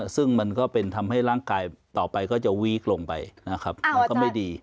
ซึ่งมันก็เป็นทำให้ร่างกายต่อไปก็จะวีคลงไปนะครับมันก็ไม่ดี